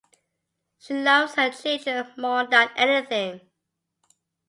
She loves her children more than anything.